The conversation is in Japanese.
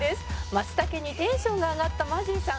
「松茸にテンションが上がったマジーさん」